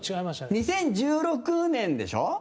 中居：２０１６年でしょ？